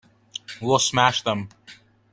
We'll smash them.